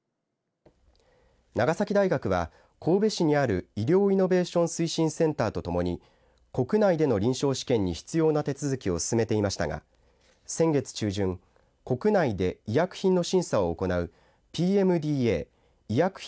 長崎大学は、神戸市にある医療イノベーション推進センターとともに国内での臨床試験に必要な手続きを進めていましたが先月中旬国内で医薬品の審査を行うＰＭＤＡ医薬品